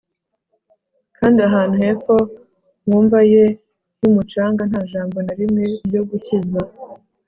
Kandi ahantu hepfo mumva ye yumucanga nta jambo na rimwe ryo gukiza